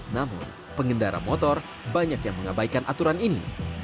namun pengendara motor banyak yang mengabaikan aturan ini